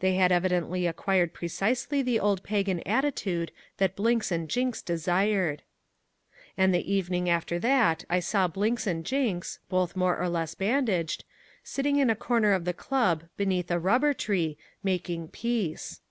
They had evidently acquired precisely the old pagan attitude that Blinks and Jinks desired. And the evening after that I saw Blinks and Jinks, both more or less bandaged, sitting in a corner of the club beneath a rubber tree, making peace.